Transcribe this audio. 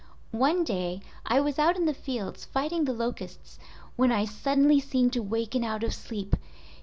"One day I was out in the fields fighting the locusts when I suddenly seemed to waken out of sleep.